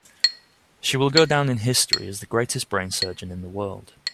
She will go down in history as the greatest brain surgeon in the world.